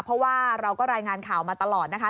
เพราะว่าเราก็รายงานข่าวมาตลอดนะคะ